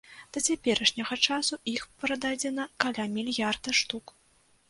Да цяперашняга часу іх прададзена каля мільярда штук.